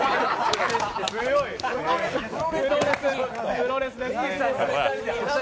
プロレスです。